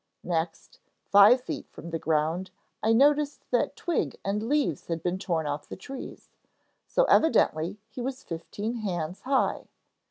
Next, five feet from the ground I noticed that twig and leaves had been torn off the trees, so evidently he was fifteen hands high.